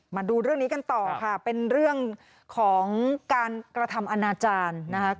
มาดูเรื่องนี้กันต่อค่ะเป็นเรื่องของการกระทำอนาจารย์นะคะ